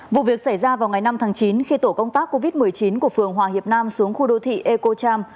vụ việc xảy ra vào ngày năm tháng chín khi tổ công tác covid một mươi chín của phường hòa hiệp nam xuống khu đô thị ecom